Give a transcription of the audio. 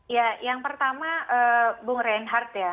ya yang pertama bung reinhardt ya